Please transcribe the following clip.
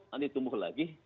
nanti tumbuh lagi